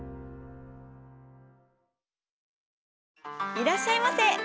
いらっしゃいませ。